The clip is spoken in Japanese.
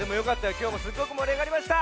きょうもすっごくもりあがりました！